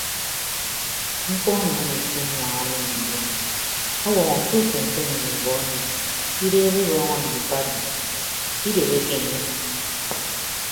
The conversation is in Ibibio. Mkpọ emi anekke aññwaña mien ndion ọwọọñọ afịt ufen se nnyịn ibọ emi ideebe ọbọọñ emi mfat o ibegheke enye.